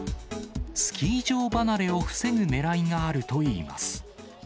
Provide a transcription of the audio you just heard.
スキー場離れを防ぐねらいがあるといいます。